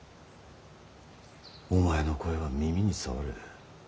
お前の声は耳に障る。